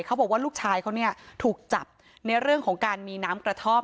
เขาบอกว่าลูกชายเขาเนี่ยถูกจับในเรื่องของการมีน้ำกระท่อม